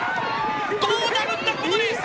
どうなるんだ、このレース。